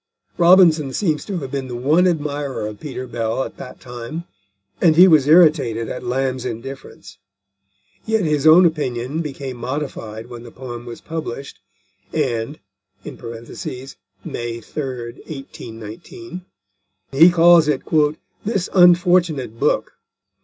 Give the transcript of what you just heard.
Robinson seems to have been the one admirer of Peter Bell at that time, and he was irritated at Lamb's indifference. Yet his own opinion became modified when the poem was published, and (May 3, 1819) he calls it "this unfortunate book."